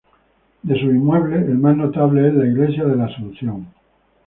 De sus inmuebles, el más notable es la iglesia de La Asunción.